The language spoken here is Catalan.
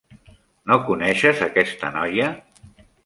No coneixes aquesta noia?